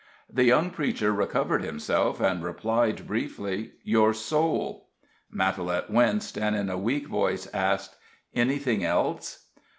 The young preacher recovered himself, and replied, briefly: "Your soul." Matalette winced, and, in a weak voice, asked: "Anything else?"